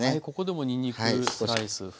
はいここでもにんにくスライス。